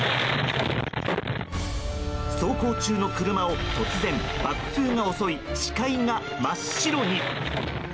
走行中の車を突然爆風が襲い視界が真っ白に。